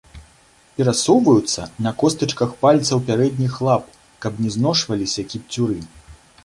Перасоўваюцца на костачках пальцаў пярэдніх лап, каб не зношваліся кіпцюры.